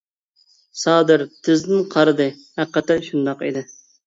سادىر تىزدىن قارىدى ھەقىقەتەن شۇنداق ئىدى.